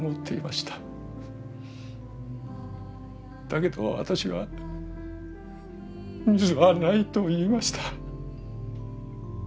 だけど私は「水はない」と言いました。